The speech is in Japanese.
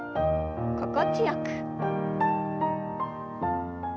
心地よく。